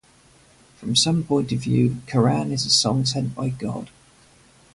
From some point of view, Quran is a song sent by God.